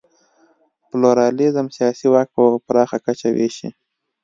پلورالېزم سیاسي واک په پراخه کچه وېشي.